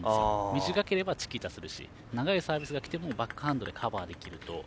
短ければチキータするし長いサービスがきてもバックハンドでカバーできると。